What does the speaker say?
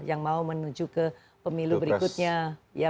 yang mau menuju ke pemilu berikutnya